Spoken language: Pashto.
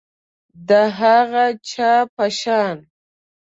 د هغه چا په شان